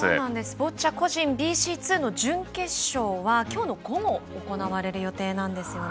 ボッチャ個人ＢＣ２の準決勝は今日の午後行われる予定なんですよね。